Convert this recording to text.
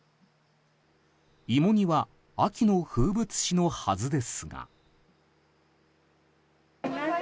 いも煮は秋の風物詩のはずですが。